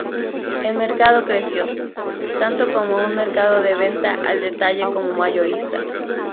El mercado creció, tanto como un mercado de venta al detalle como mayorista.